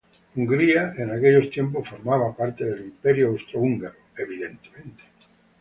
Hungría, en aquellos tiempos, formaba parte del Imperio austrohúngaro.